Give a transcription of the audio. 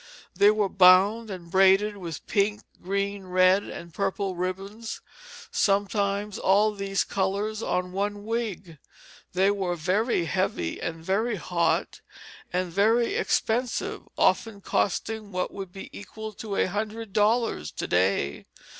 They were bound and braided with pink, green, red, and purple ribbons, sometimes all these colors on one wig. They were very heavy, and very hot, and very expensive, often costing what would be equal to a hundred dollars to day.